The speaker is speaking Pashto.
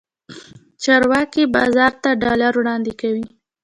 چارواکي بازار ته ډالر وړاندې کوي.